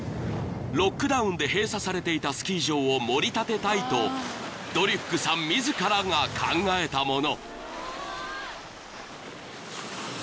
ロックダウンで閉鎖されていたスキー場をもり立てたいとドリュックさん自らが考えたもの］